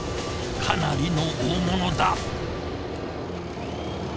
かなりの大物だ。